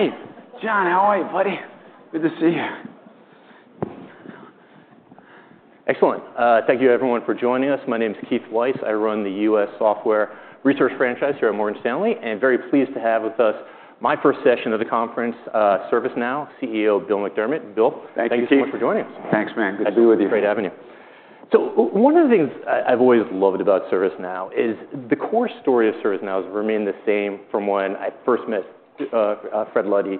Hey, John. How are you, buddy? Good to see you. Excellent. Thank you, everyone, for joining us. My name is Keith Weiss. I run the U.S. Software Research Franchise here at Morgan Stanley, and I'm very pleased to have with us my first session of the conference, ServiceNow CEO Bill McDermott. Bill, thank you so much for joining us. Thanks, man. Good to be with you. Great having you. So one of the things I've always loved about ServiceNow is the core story of ServiceNow has remained the same from when I first met Fred Luddy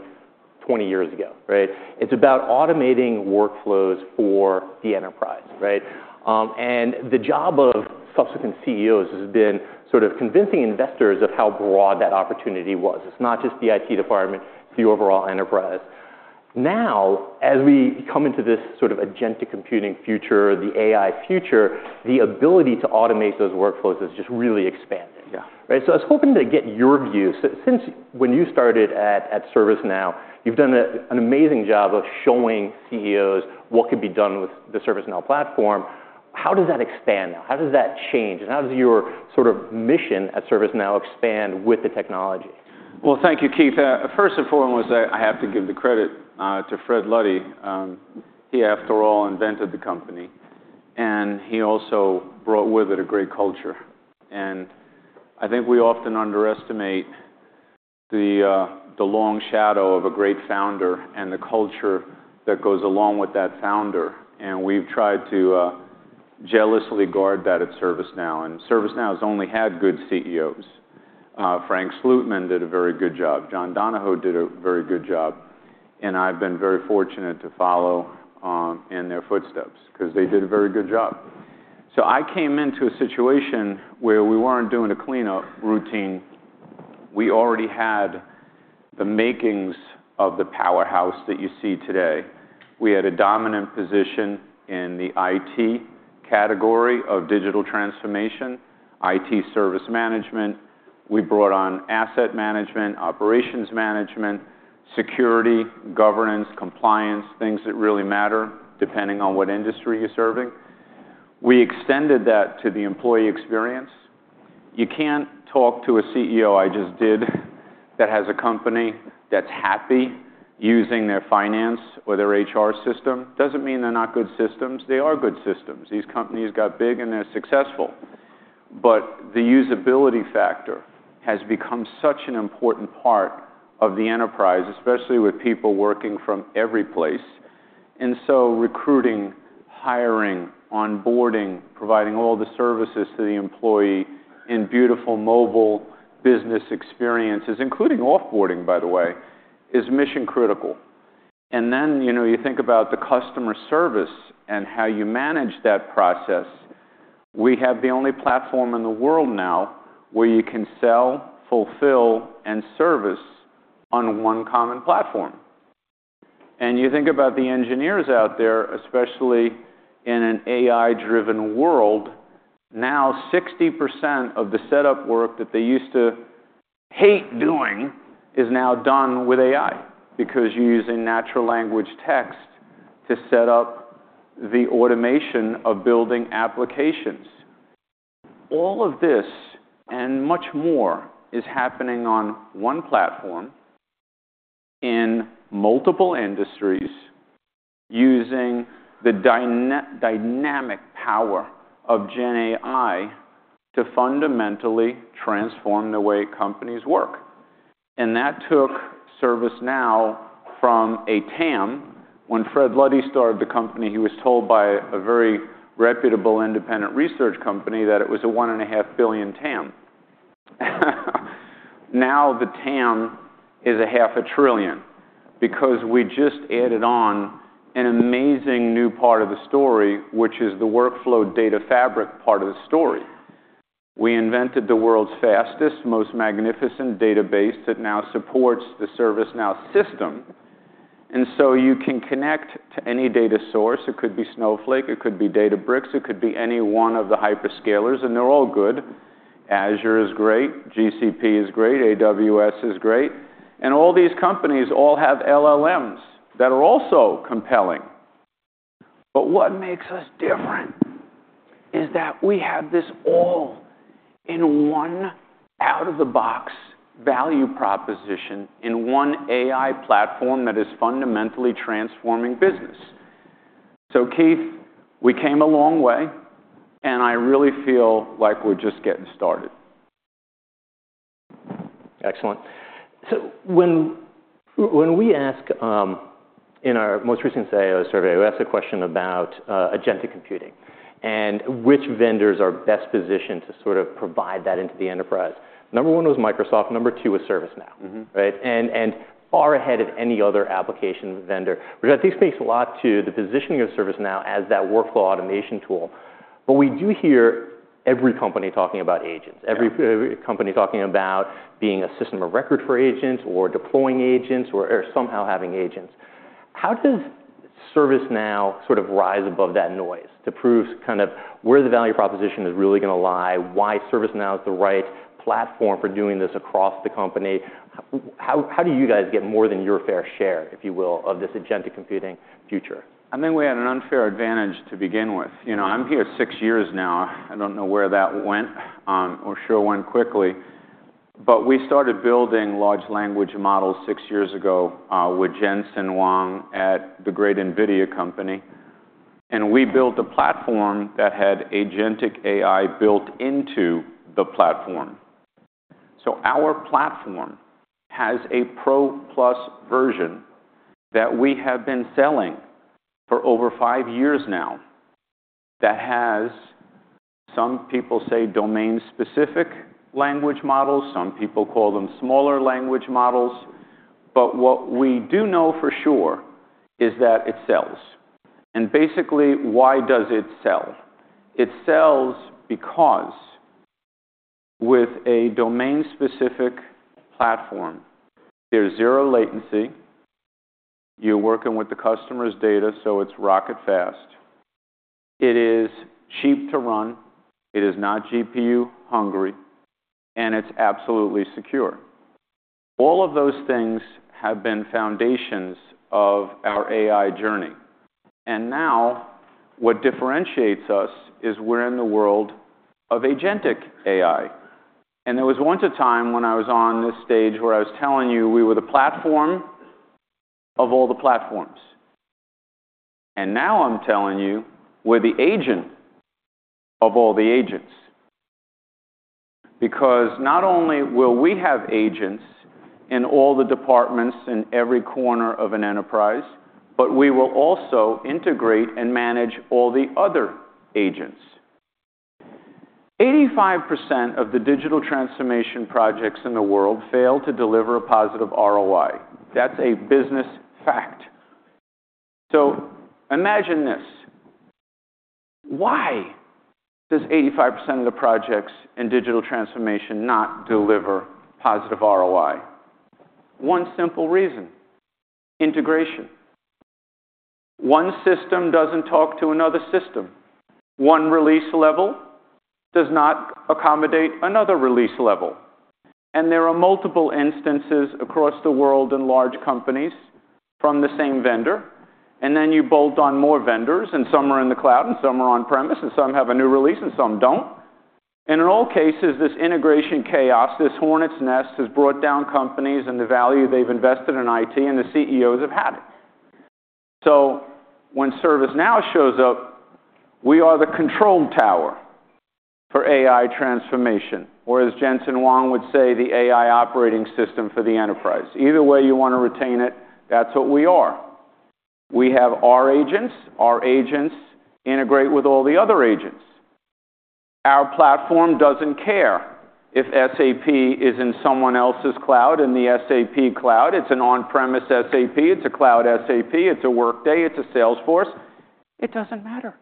20 years ago. It's about automating workflows for the enterprise, and the job of subsequent CEOs has been sort of convincing investors of how broad that opportunity was. It's not just the IT Department. It's the overall enterprise. Now, as we come into this sort of agentic computing future, the AI future, the ability to automate those workflows has just really expanded, so I was hoping to get your view. Since when you started at ServiceNow, you've done an amazing job of showing CEOs what could be done with the ServiceNow platform. How does that expand now? How does that change, and how does your sort of mission at ServiceNow expand with the technology? Thank you, Keith. First and foremost, I have to give the credit to Fred Luddy. He, after all, invented the company, and he also brought with it a great culture, and I think we often underestimate the long shadow of a great founder and the culture that goes along with that founder, and we've tried to jealously guard that at ServiceNow, and ServiceNow has only had good CEOs. Frank Slootman did a very good job. John Donahoe did a very good job, and I've been very fortunate to follow in their footsteps because they did a very good job, so I came into a situation where we weren't doing a cleanup routine. We already had the makings of the powerhouse that you see today. We had a dominant position in the IT category of digital transformation, IT Service Management. We brought on asset management, operations management, security, governance, compliance, things that really matter depending on what industry you're serving. We extended that to the employee experience. You can't talk to a CEO, I just did, that has a company that's happy using their finance or their HR system. Doesn't mean they're not good systems. They are good systems. These companies got big and they're successful. But the usability factor has become such an important part of the enterprise, especially with people working from every place, and so recruiting, hiring, onboarding, providing all the services to the employee in beautiful mobile business experiences, including offboarding, by the way, is mission critical, and then you think about the customer service and how you manage that process. We have the only platform in the world now where you can sell, fulfill, and service on one common platform. You think about the engineers out there, especially in an AI-driven world. Now, 60% of the setup work that they used to hate doing is now done with AI because you're using natural language text to set up the automation of building applications. All of this and much more is happening on one platform in multiple industries using the dynamic power of GenAI to fundamentally transform the way companies work. That took ServiceNow from a TAM. When Fred Luddy started the company, he was told by a very reputable independent research company that it was a $1.5 billion TAM. Now the TAM is $0.5 trillion because we just added on an amazing new part of the story, which is the workflow data fabric part of the story. We invented the world's fastest, most magnificent database that now supports the ServiceNow system. And so you can connect to any data source. It could be Snowflake. It could be Databricks. It could be any one of the hyperscalers. And they're all good. Azure is great. GCP is great. AWS is great. And all these companies all have LLMs that are also compelling. But what makes us different is that we have this all in one out-of-the-box value proposition in one AI platform that is fundamentally transforming business. So Keith, we came a long way. And I really feel like we're just getting started. Excellent, so when we ask in our most recent survey, we asked a question about agentic computing and which vendors are best positioned to sort of provide that into the enterprise. Number one was Microsoft. Number two was ServiceNow and far ahead of any other application vendor but I think this speaks a lot to the positioning of ServiceNow as that workflow automation tool. But we do hear every company talking about agents, every company talking about being a system of record for agents or deploying agents or somehow having agents. How does ServiceNow sort of rise above that noise to prove kind of where the value proposition is really going to lie? Why ServiceNow is the right platform for doing this across the company? How do you guys get more than your fair share, if you will, of this agentic computing future? I think we had an unfair advantage to begin with. I'm here six years now. I don't know where that went or sure when quickly. But we started building large language models six years ago with Jensen Huang at the great NVIDIA company. And we built a platform that had agentic AI built into the platform. So our platform has a Pro Plus version that we have been selling for over five years now that has, some people say, domain-specific language models. Some people call them smaller language models. But what we do know for sure is that it sells. And basically, why does it sell? It sells because with a domain-specific platform, there's zero latency. You're working with the customer's data, so it's rocket fast. It is cheap to run. It is not GPU hungry. And it's absolutely secure. All of those things have been foundations of our AI journey. And now what differentiates us is we're in the world of agentic AI. And there was once a time when I was on this stage where I was telling you we were the platform of all the platforms. And now I'm telling you we're the agent of all the agents. Because not only will we have agents in all the departments in every corner of an enterprise, but we will also integrate and manage all the other agents. 85% of the digital transformation projects in the world fail to deliver a positive ROI. That's a business fact. So imagine this. Why does 85% of the projects in digital transformation not deliver positive ROI? One simple reason, integration. One system doesn't talk to another system. One release level does not accommodate another release level. And there are multiple instances across the world in large companies from the same vendor. And then you bolt on more vendors. And some are in the cloud, and some are on-premise, and some have a new release, and some don't. And in all cases, this integration chaos, this hornet's nest has brought down companies and the value they've invested in IT, and the CEOs have had it. So when ServiceNow shows up, we are the control tower for AI transformation, or as Jensen Huang would say, the AI operating system for the enterprise. Either way you want to retain it, that's what we are. We have our agents. Our agents integrate with all the other agents. Our platform doesn't care if SAP is in someone else's cloud and the SAP cloud. It's an on-premise SAP. It's a cloud SAP. It's a Workday. It's a Salesforce. It doesn't matter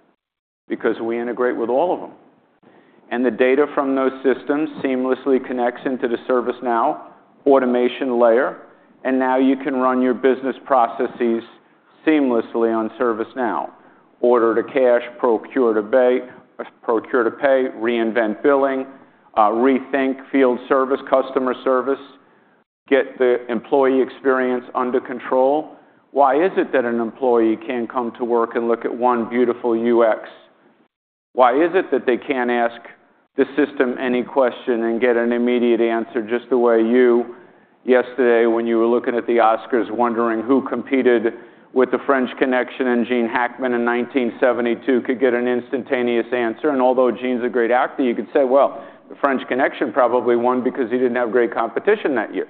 because we integrate with all of them. And the data from those systems seamlessly connects into the ServiceNow automation layer. And now you can run your business processes seamlessly on ServiceNow. Order to cash, procure to pay, reinvent billing, rethink field service, customer service, get the employee experience under control. Why is it that an employee can't come to work and look at one beautiful UX? Why is it that they can't ask the system any question and get an immediate answer just the way you yesterday when you were looking at the Oscars wondering who competed with The French Connection and Gene Hackman in 1972 could get an instantaneous answer? And although Gene's a great actor, you could say, well, The French Connection probably won because he didn't have great competition that year.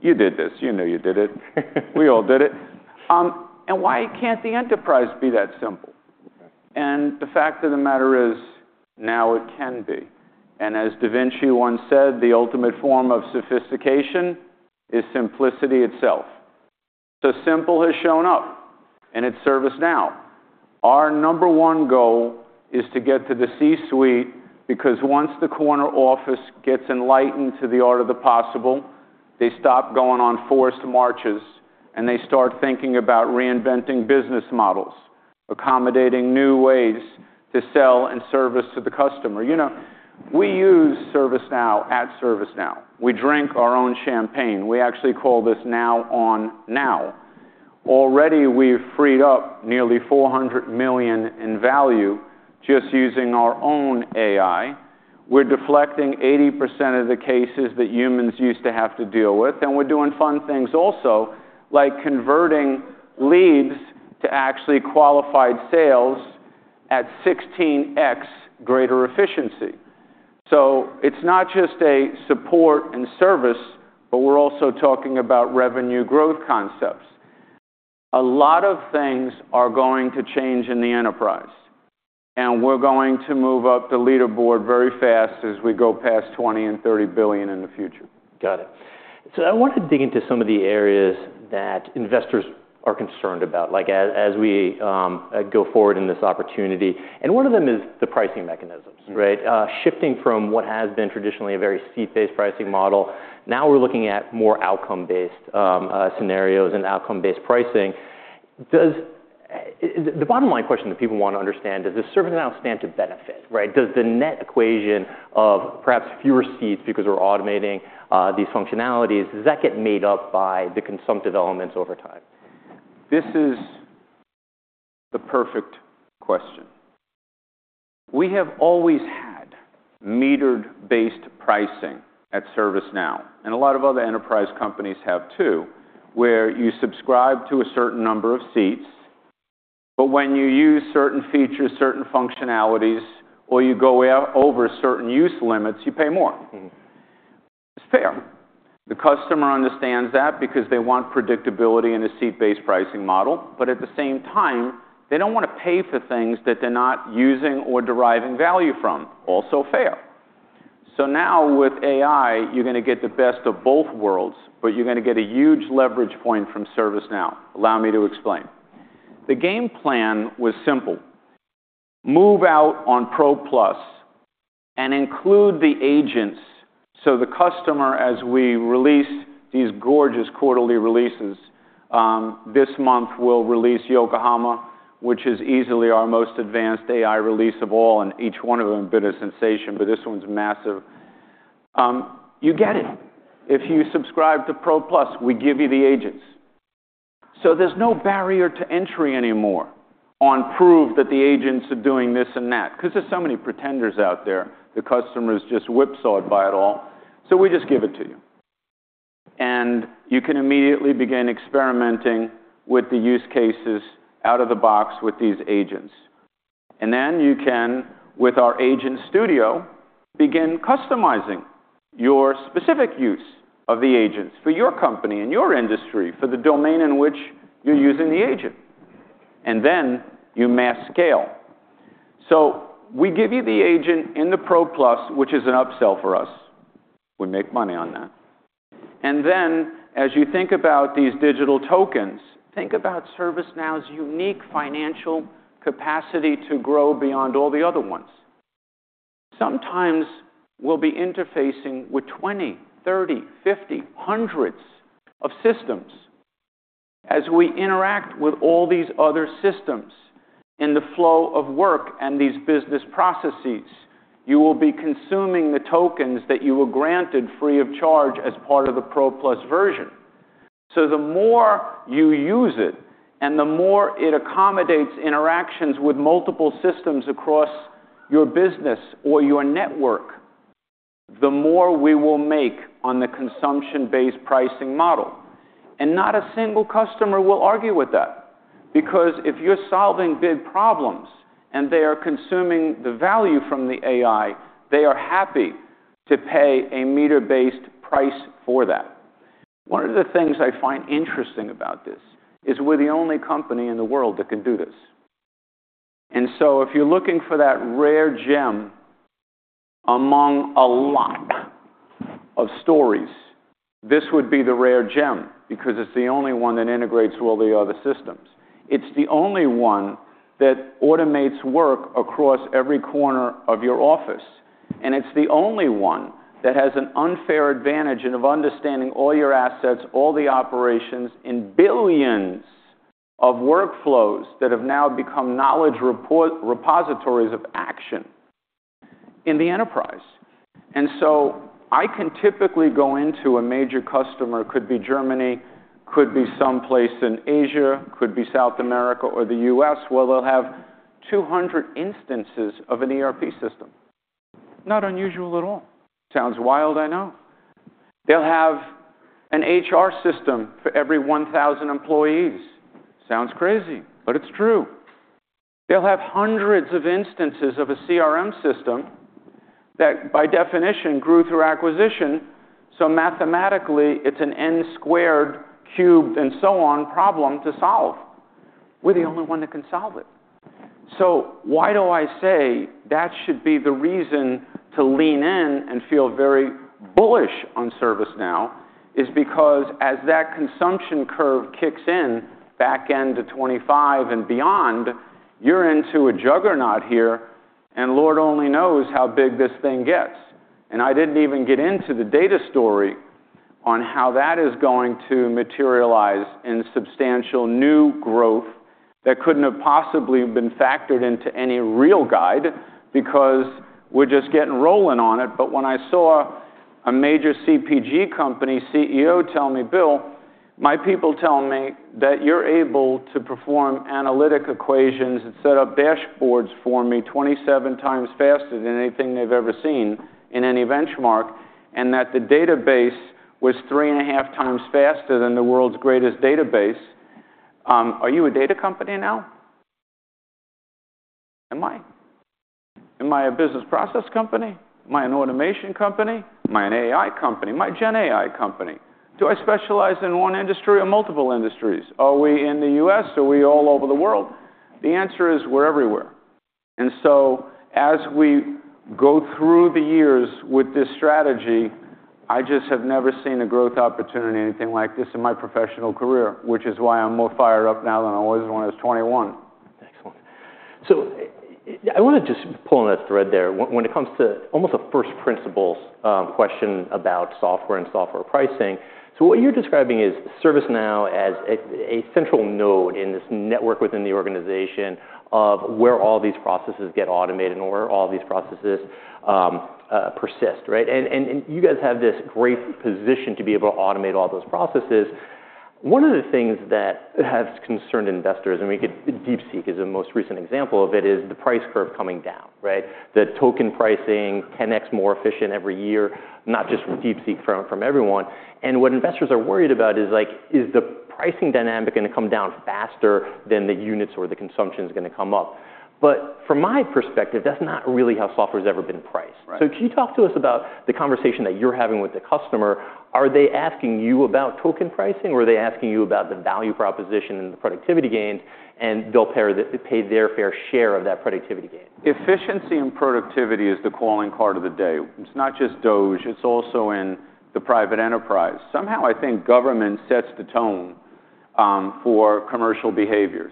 You did this. You know you did it. We all did it. Why can't the enterprise be that simple? The fact of the matter is now it can be. As Da Vinci once said, the ultimate form of sophistication is simplicity itself. Simple has shown up. It's ServiceNow. Our number one goal is to get to the C-suite because once the corner office gets enlightened to the art of the possible, they stop going on forced marches and they start thinking about reinventing business models, accommodating new ways to sell and service to the customer. We use ServiceNow at ServiceNow. We drink our own champagne. We actually call this Now on Now. Already, we've freed up nearly $400 million in value just using our own AI. We're deflecting 80% of the cases that humans used to have to deal with. We're doing fun things also like converting leads to actually qualified sales at 16× greater efficiency. It's not just a support and service, but we're also talking about revenue growth concepts. A lot of things are going to change in the enterprise. And we're going to move up the leaderboard very fast as we go past $20 billion and $30 billion in the future. Got it, so I want to dig into some of the areas that investors are concerned about as we go forward in this opportunity, and one of them is the pricing mechanisms, right? Shifting from what has been traditionally a very seat-based pricing model, now we're looking at more outcome-based scenarios and outcome-based pricing. The bottom line question that people want to understand is does ServiceNow stand to benefit? Does the net equation of perhaps fewer seats because we're automating these functionalities, does that get made up by the consumption elements over time? This is the perfect question. We have always had metered-based pricing at ServiceNow, and a lot of other enterprise companies have too, where you subscribe to a certain number of seats, but when you use certain features, certain functionalities, or you go over certain use limits, you pay more. It's fair. The customer understands that because they want predictability in a seat-based pricing model, but at the same time, they don't want to pay for things that they're not using or deriving value from. Also fair, so now with AI, you're going to get the best of both worlds, but you're going to get a huge leverage point from ServiceNow. Allow me to explain. The game plan was simple. Move out on Pro Plus and include the agents. So the customer, as we release these gorgeous quarterly releases, this month we'll release Yokohama, which is easily our most advanced AI release of all. And each one of them is a sensation, but this one's massive. You get it. If you subscribe to Pro Plus, we give you the agents. So there's no barrier to entry anymore on proof that the agents are doing this and that because there's so many pretenders out there. The customer is just whipsawed by it all. So we just give it to you. And you can immediately begin experimenting with the use cases out of the box with these agents. And then you can, with our Agent Studio, begin customizing your specific use of the agents for your company and your industry for the domain in which you're using the agent. And then you mass scale. So we give you the agent in the Pro Plus, which is an up-sell for us. We make money on that. And then as you think about these digital tokens, think about ServiceNow's unique financial capacity to grow beyond all the other ones. Sometimes we'll be interfacing with 20, 30, 50, hundreds of systems as we interact with all these other systems in the flow of work and these business processes. You will be consuming the tokens that you were granted free of charge as part of the Pro Plus version. So the more you use it and the more it accommodates interactions with multiple systems across your business or your network, the more we will make on the consumption-based pricing model. And not a single customer will argue with that because if you're solving big problems and they are consuming the value from the AI, they are happy to pay a meter-based price for that. One of the things I find interesting about this is we're the only company in the world that can do this. And so if you're looking for that rare gem among a lot of stories, this would be the rare gem because it's the only one that integrates all the other systems. It's the only one that automates work across every corner of your office. And it's the only one that has an unfair advantage of understanding all your assets, all the operations in billions of workflows that have now become knowledge repositories of action in the enterprise. And so I can typically go into a major customer, could be Germany, could be someplace in Asia, could be South America or the US, where they'll have 200 instances of an ERP system. Not unusual at all. Sounds wild, I know. They'll have an HR system for every 1,000 employees. Sounds crazy, but it's true. They'll have hundreds of instances of a CRM system that by definition grew through acquisition. So mathematically, it's an n squared cubed and so on problem to solve. We're the only one that can solve it. So why do I say that should be the reason to lean in and feel very bullish on ServiceNow is because as that consumption curve kicks in back end to 2025 and beyond, you're into a juggernaut here. And Lord only knows how big this thing gets. And I didn't even get into the data story on how that is going to materialize in substantial new growth that couldn't have possibly been factored into any real guide because we're just getting rolling on it. But when I saw a major CPG company CEO tell me, Bill, my people tell me that you're able to perform analytic equations and set up dashboards for me 27 times faster than anything they've ever seen in any benchmark, and that the database was three and a half times faster than the world's greatest database. Are you a data company now? Am I? Am I a business process company? Am I an automation company? Am I an AI company? Am I a GenAI company? Do I specialize in one industry or multiple industries? Are we in the U.S.? Are we all over the world? The answer is we're everywhere. And so as we go through the years with this strategy, I just have never seen a growth opportunity or anything like this in my professional career, which is why I'm more fired up now than I was when I was 21. Excellent. So I want to just pull on that thread there when it comes to almost a first principles question about software and software pricing. So what you're describing is ServiceNow as a central node in this network within the organization of where all these processes get automated and where all these processes persist, right? And you guys have this great position to be able to automate all those processes. One of the things that has concerned investors, and we could DeepSeek as a most recent example of it, is the price curve coming down, right? The token pricing 10× more efficient every year, not just DeepSeek from everyone. And what investors are worried about is, is the pricing dynamic going to come down faster than the units or the consumption is going to come up? But from my perspective, that's not really how software has ever been priced. So can you talk to us about the conversation that you're having with the customer? Are they asking you about token pricing? Or are they asking you about the value proposition and the productivity gained? And they'll pay their fair share of that productivity gain. Efficiency and productivity is the calling card of the day. It's not just DOGE. It's also in the private enterprise. Somehow, I think government sets the tone for commercial behavior,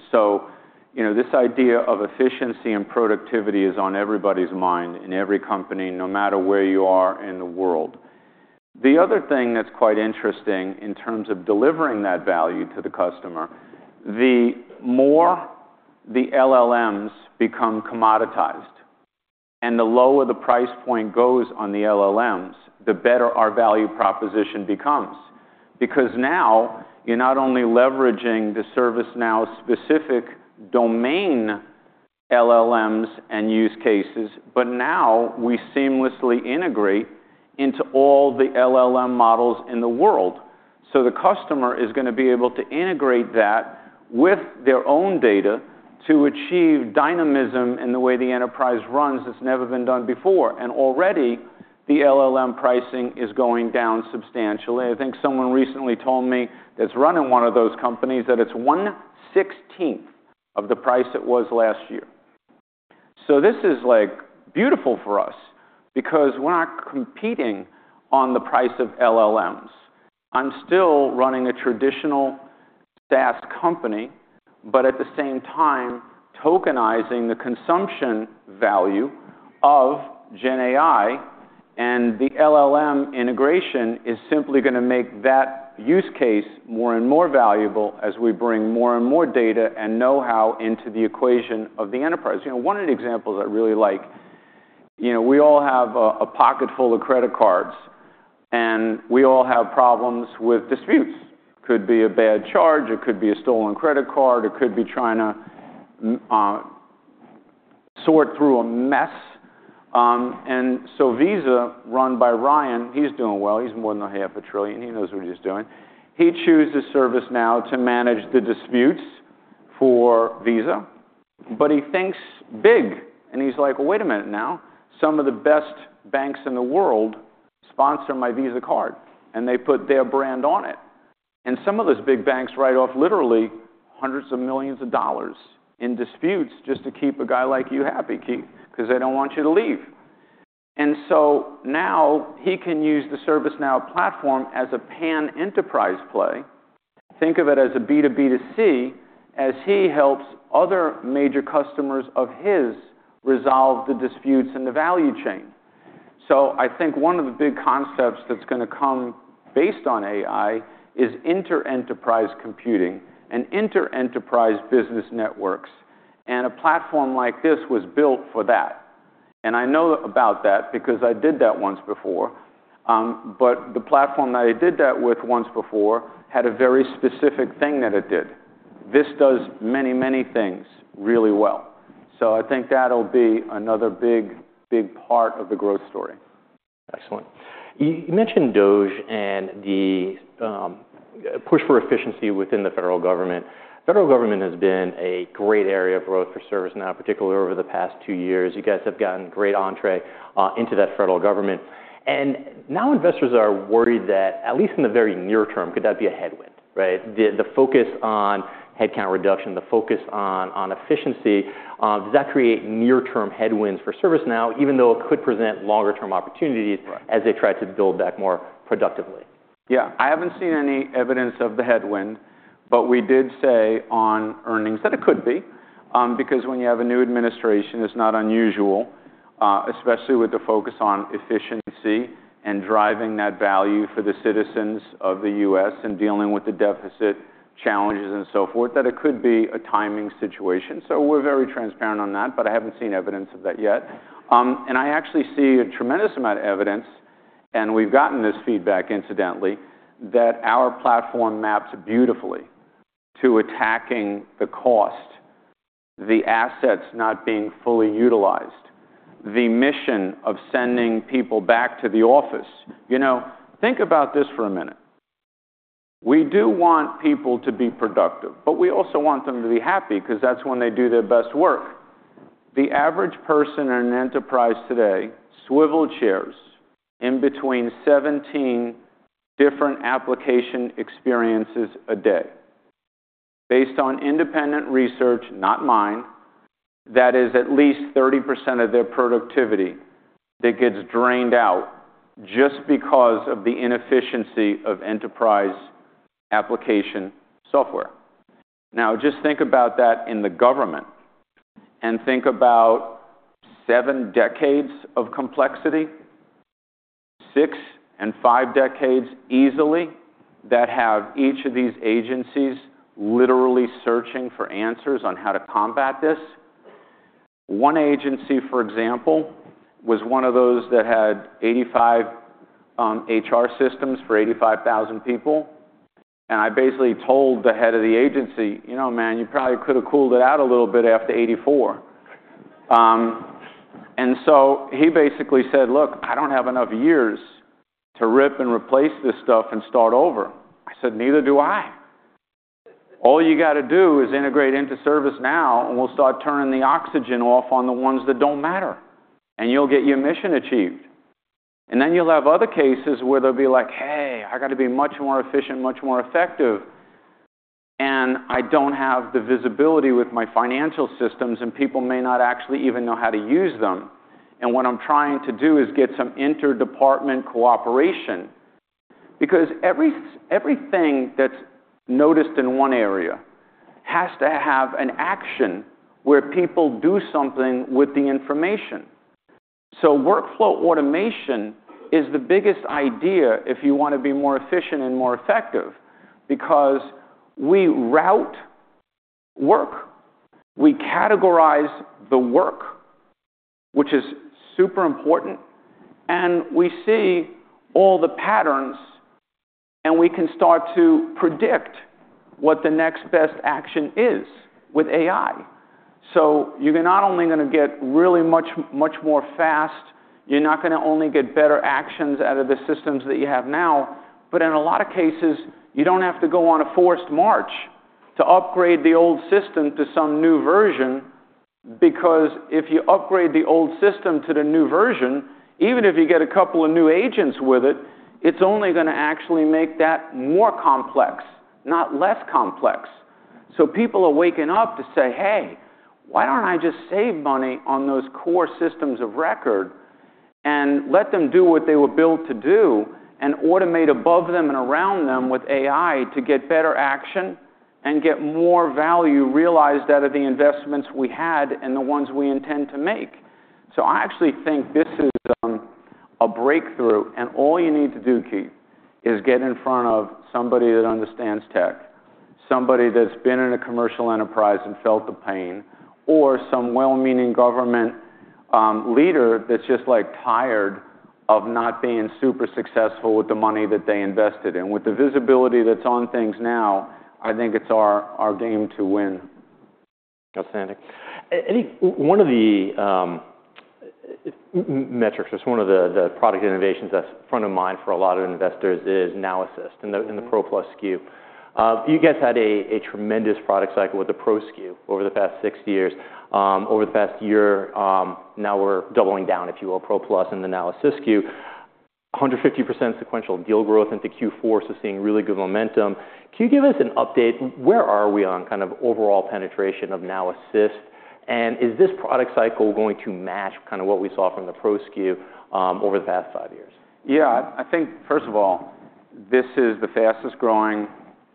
so this idea of efficiency and productivity is on everybody's mind in every company, no matter where you are in the world. The other thing that's quite interesting in terms of delivering that value to the customer: the more the LLMs become commoditized, and the lower the price point goes on the LLMs, the better our value proposition becomes. Because now you're not only leveraging the ServiceNow specific domain LLMs and use cases, but now we seamlessly integrate into all the LLM models in the world, so the customer is going to be able to integrate that with their own data to achieve dynamism in the way the enterprise runs that's never been done before. Already, the LLM pricing is going down substantially. I think someone recently told me that's running one of those companies that it's one sixteenth of the price it was last year. So this is beautiful for us because we're not competing on the price of LLMs. I'm still running a traditional SaaS company, but at the same time, tokenizing the consumption value of GenAI and the LLM integration is simply going to make that use case more and more valuable as we bring more and more data and know-how into the equation of the enterprise. One of the examples I really like, we all have a pocket full of credit cards, and we all have problems with disputes. It could be a bad charge. It could be a stolen credit card. It could be trying to sort through a mess. Visa, run by Ryan, he's doing well. He's more than $500 billion. He knows what he's doing. He chooses ServiceNow to manage the disputes for Visa. But he thinks big. And he's like, Well, wait a minute now. Some of the best banks in the world sponsor my Visa card, and they put their brand on it. And some of those big banks write off literally hundreds of millions of dollars in disputes just to keep a guy like you happy, Keith, because they don't want you to leave. And so now he can use the ServiceNow platform as a pan-enterprise play. Think of it as a B2B2C as he helps other major customers of his resolve the disputes in the value chain. So I think one of the big concepts that's going to come based on AI is inter-enterprise computing and inter-enterprise business networks. And a platform like this was built for that. And I know about that because I did that once before. But the platform that I did that with once before had a very specific thing that it did. This does many, many things really well. So I think that'll be another big, big part of the growth story. Excellent. You mentioned DOGE and the push for efficiency within the federal government. The federal government has been a great area of growth for ServiceNow, particularly over the past two years. You guys have gotten great entree into that federal government, and now investors are worried that at least in the very near term, could that be a headwind, right? The focus on headcount reduction, the focus on efficiency, does that create near-term headwinds for ServiceNow, even though it could present longer-term opportunities as they try to build back more productively? Yeah. I haven't seen any evidence of the headwind, but we did say on earnings that it could be because when you have a new administration, it's not unusual, especially with the focus on efficiency and driving that value for the citizens of the U.S. and dealing with the deficit challenges and so forth, that it could be a timing situation. So we're very transparent on that, but I haven't seen evidence of that yet, and I actually see a tremendous amount of evidence, and we've gotten this feedback incidentally, that our platform maps beautifully to attacking the cost, the assets not being fully utilized, the mission of sending people back to the office. Think about this for a minute. We do want people to be productive, but we also want them to be happy because that's when they do their best work. The average person in an enterprise today swivel chairs in between 17 different application experiences a day. Based on independent research, not mine, that is at least 30% of their productivity that gets drained out just because of the inefficiency of enterprise application software. Now, just think about that in the government and think about seven decades of complexity, six and five decades easily that have each of these agencies literally searching for answers on how to combat this. One agency, for example, was one of those that had 85 HR systems for 85,000 people. And I basically told the head of the agency, You know, man, you probably could have cooled it out a little bit after 1984. And so he basically said, look, I don't have enough years to rip and replace this stuff and start over. I said, neither do I. All you got to do is integrate into ServiceNow, and we'll start turning the oxygen off on the ones that don't matter, and you'll get your mission achieved. And then you'll have other cases where they'll be like, hey, I got to be much more efficient, much more effective, and I don't have the visibility with my financial systems, and people may not actually even know how to use them. And what I'm trying to do is get some inter-department cooperation. Because everything that's noticed in one area has to have an action where people do something with the information. So workflow automation is the biggest idea if you want to be more efficient and more effective because we route work, we categorize the work, which is super important, and we see all the patterns, and we can start to predict what the next best action is with AI. You're not only going to get really much, much more fast. You're not going to only get better actions out of the systems that you have now, but in a lot of cases, you don't have to go on a forced march to upgrade the old system to some new version because if you upgrade the old system to the new version, even if you get a couple of new agents with it, it's only going to actually make that more complex, not less complex. So people are waking up to say, hey, why don't I just save money on those core systems of record and let them do what they were built to do and automate above them and around them with AI to get better action and get more value realized out of the investments we had and the ones we intend to make? So I actually think this is a breakthrough. And all you need to do, Keith, is get in front of somebody that understands tech, somebody that's been in a commercial enterprise and felt the pain, or some well-meaning government leader that's just tired of not being super successful with the money that they invested in. With the visibility that's on things now, I think it's our game to win. Outstanding. One of the metrics, just one of the product innovations that's front of mind for a lot of investors is Now Assist and the Pro Plus SKU. You guys had a tremendous product cycle with the Pro SKU over the past six years. Over the past year, now we're doubling down, if you will, Pro Plus and the Now Assist SKU. 150% sequential deal growth into Q4, so seeing really good momentum. Can you give us an update? Where are we on kind of overall penetration of Now Assist? And is this product cycle going to match kind of what we saw from the Pro SKU over the past five years? Yeah. I think, first of all, this is the fastest-growing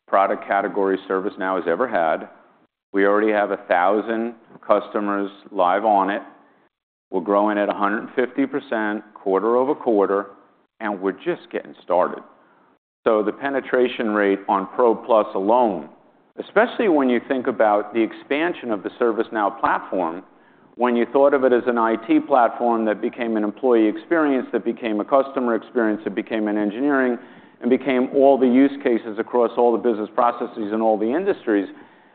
product category ServiceNow has ever had. We already have 1,000 customers live on it. We're growing at 150%, QoQ, and we're just getting started. So the penetration rate on Pro Plus alone, especially when you think about the expansion of the ServiceNow platform, when you thought of it as an IT platform that became an employee experience, that became a customer experience, it became an engineering, and became all the use cases across all the business processes in all the industries,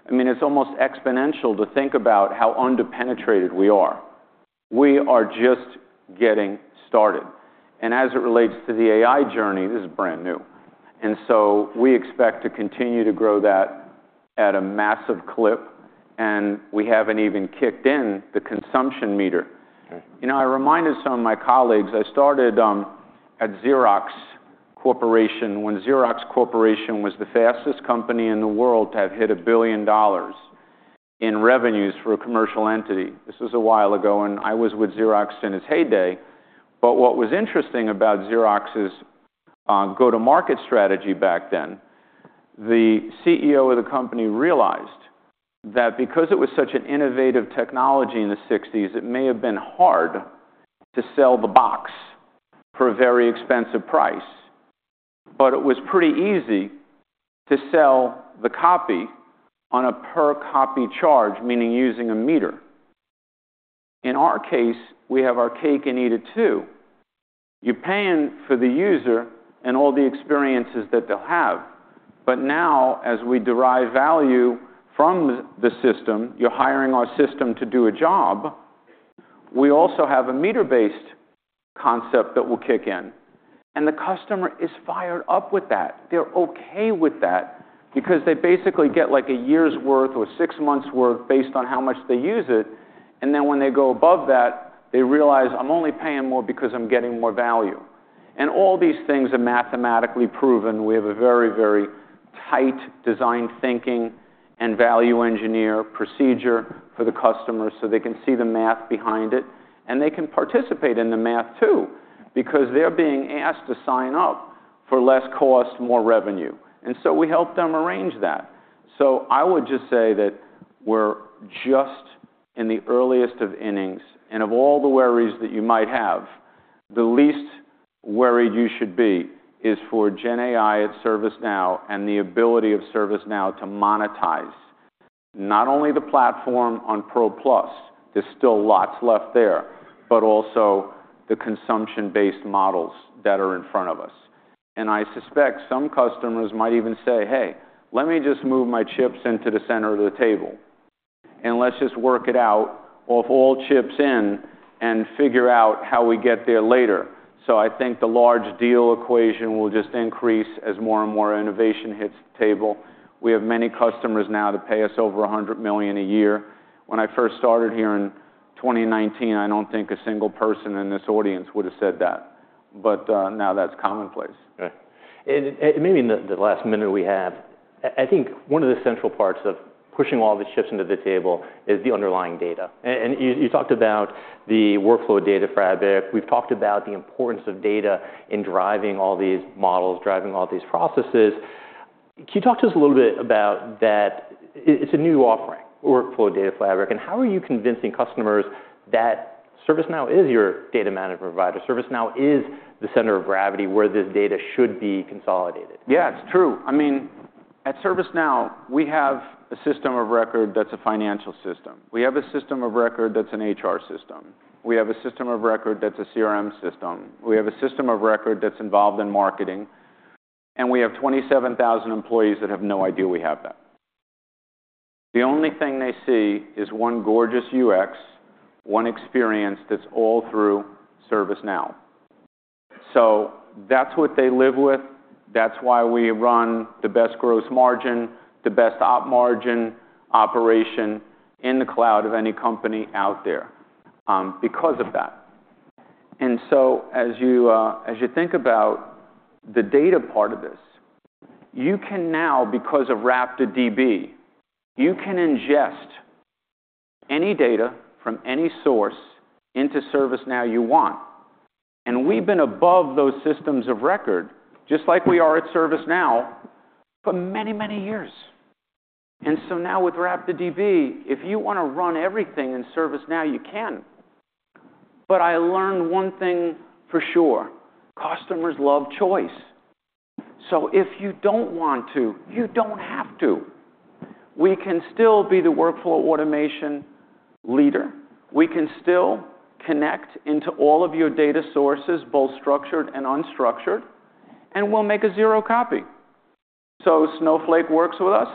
I mean, it's almost exponential to think about how underpenetrated we are. We are just getting started. And as it relates to the AI journey, this is brand new. And so we expect to continue to grow that at a massive clip. And we haven't even kicked in the consumption meter. I reminded some of my colleagues, I started at Xerox Corporation when Xerox Corporation was the fastest company in the world to have hit $1 billion in revenues for a commercial entity. This was a while ago, and I was with Xerox in its heyday. What was interesting about Xerox's go-to-market strategy back then was that the CEO of the company realized that because it was such an innovative technology in the 1960s, it may have been hard to sell the box for a very expensive price. But it was pretty easy to sell the copy on a per-copy charge, meaning using a meter. In our case, we have our cake and eat it too. You're paying for the user and all the experiences that they'll have. But now, as we derive value from the system, you're hiring our system to do a job. We also have a meter-based concept that will kick in, and the customer is fired up with that. They're okay with that because they basically get like a year's worth or six months' worth based on how much they use it, and then when they go above that, they realize, I'm only paying more because I'm getting more value, and all these things are mathematically proven. We have a very, very tight design thinking and value engineer procedure for the customer so they can see the math behind it, and they can participate in the math too because they're being asked to sign up for less cost, more revenue, and so we help them arrange that, so I would just say that we're just in the earliest of innings. And of all the worries that you might have, the least worried you should be is for GenAI at ServiceNow and the ability of ServiceNow to monetize not only the platform on Pro Plus. There's still lots left there, but also the consumption-based models that are in front of us. And I suspect some customers might even say, hey, let me just move my chips into the center of the table, and let's just work it out of all chips in and figure out how we get there later. So I think the large deal equation will just increase as more and more innovation hits the table. We have many customers now that pay us over $100 million a year. When I first started here in 2019, I don't think a single person in this audience would have said that. But now that's commonplace. And maybe in the last minute we have, I think one of the central parts of pushing all the chips into the table is the underlying data. And you talked about the workflow data fabric. We've talked about the importance of data in driving all these models, driving all these processes. Can you talk to us a little bit about that? It's a new offering, workflow data fabric. And how are you convincing customers that ServiceNow is your data management provider? ServiceNow is the center of gravity where this data should be consolidated. Yeah, it's true. I mean, at ServiceNow, we have a system of record that's a financial system. We have a system of record that's an HR system. We have a system of record that's a CRM system. We have a system of record that's involved in marketing. And we have 27,000 employees that have no idea we have that. The only thing they see is one gorgeous UX, one experience that's all through ServiceNow. So that's what they live with. That's why we run the best gross margin, the best op margin operation in the cloud of any company out there because of that. And so as you think about the data part of this, you can now, because of RaptorDB, you can ingest any data from any source into ServiceNow you want. And we've been above those systems of record, just like we are at ServiceNow, for many, many years. And so now with RaptorDB, if you want to run everything in ServiceNow, you can. But I learned one thing for sure. Customers love choice. So if you don't want to, you don't have to. We can still be the workflow automation leader. We can still connect into all of your data sources, both structured and unstructured, and we'll make a zero copy. So Snowflake works with us.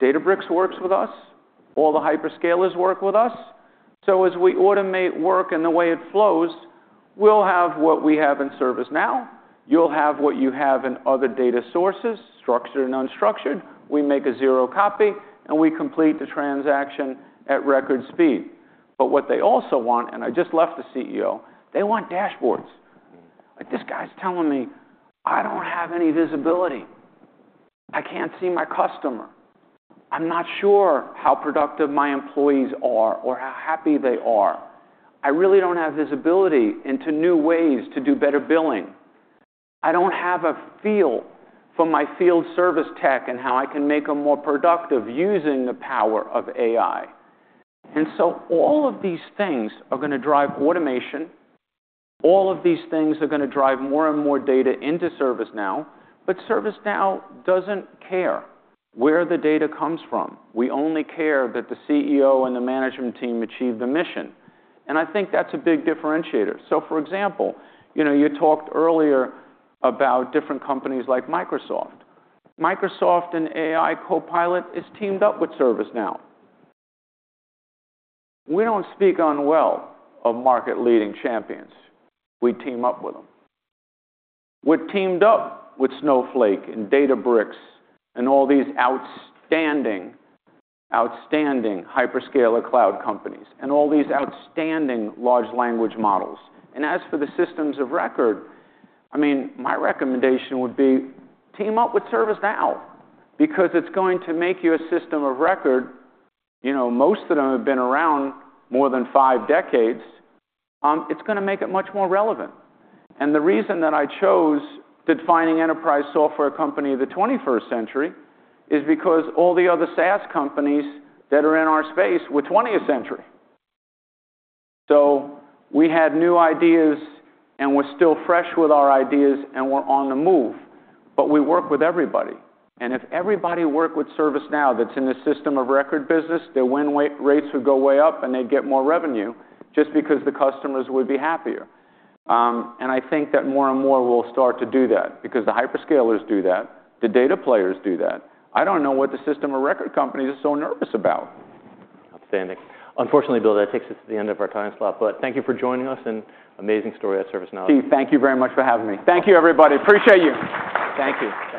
Databricks works with us. All the hyperscalers work with us. So as we automate work and the way it flows, we'll have what we have in ServiceNow. You'll have what you have in other data sources, structured and unstructured. We make a zero copy, and we complete the transaction at record speed. But what they also want, and I just left the CEO, they want dashboards. This guy's telling me, I don't have any visibility. I can't see my customer. I'm not sure how productive my employees are or how happy they are. I really don't have visibility into new ways to do better billing. I don't have a feel for my field service tech and how I can make them more productive using the power of AI. And so all of these things are going to drive automation. All of these things are going to drive more and more data into ServiceNow. But ServiceNow doesn't care where the data comes from. We only care that the CEO and the management team achieve the mission. And I think that's a big differentiator. So for example, you talked earlier about different companies like Microsoft. Microsoft and AI Copilot is teamed up with ServiceNow. We don't speak unwell of market-leading champions. We team up with them. We're teamed up with Snowflake and Databricks and all these outstanding, outstanding hyperscaler cloud companies and all these outstanding large language models. And as for the systems of record, I mean, my recommendation would be team up with ServiceNow because it's going to make your system of record, most of them have been around more than five decades. It's going to make it much more relevant. And the reason that I chose defining enterprise software company of the 21st century is because all the other SaaS companies that are in our space were 20th century. So we had new ideas and we're still fresh with our ideas and we're on the move. But we work with everybody. If everybody worked with ServiceNow that's in the system of record business, their win rates would go way up and they'd get more revenue just because the customers would be happier. I think that more and more will start to do that because the hyperscalers do that. The data players do that. I don't know what the system of record companies are so nervous about. Outstanding. Unfortunately, Bill, that takes us to the end of our time slot. But thank you for joining us and amazing story at ServiceNow. Keith, thank you very much for having me. Thank you, everybody. Appreciate you. Thank you.